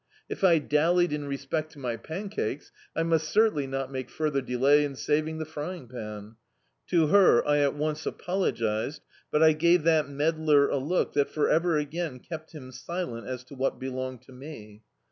If I dallied in respect to my pancakes, I must certainly not make further de lay in saving the frying pan. To her I at once apol ogised, but I gave that meddler a look that for ever again kept him silent as to what belonged to me.